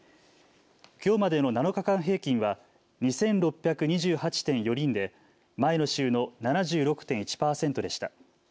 きょうまでの７日間平均は２６２８．４人で前の週の７６．１％でした。